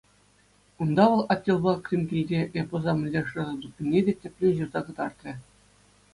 Унта вӑл «Аттилпа Кримкилте» эпоса мӗнле шыраса тупнине те тӗплӗн ҫырса кӑтартрӗ.